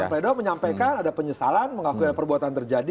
dalam pleidoi menyampaikan ada penyesalan mengakui ada perbuatan terjadi